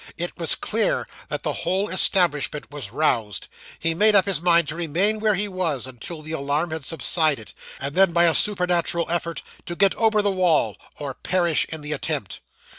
It was clear that the whole establishment was roused. He made up his mind to remain where he was, until the alarm had subsided; and then by a supernatural effort, to get over the wall, or perish in the attempt.